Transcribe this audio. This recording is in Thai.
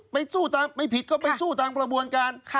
สู้ตามไม่ผิดก็ไปสู้ตามกระบวนการ